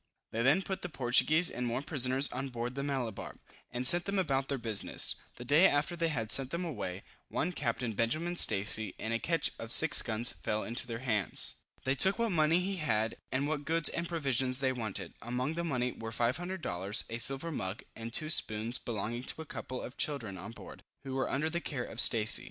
They then put the Portuguese and Moor prisoners on board the Malabar, and sent them about their business. The day after they had sent them away, one Captain Benjamin Stacy, in a ketch of 6 guns fell into their hands. They took what money he had, and what goods and provisions they wanted. Among the money were 500 dollars, a silver mug, and two spoons belonging to a couple of children on board, who were under the care of Stacy.